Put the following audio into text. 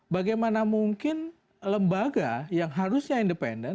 bagaimana mungkin lembaga yang harusnya independen